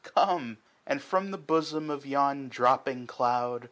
comei A^d from the bosom of yon dropping cloud.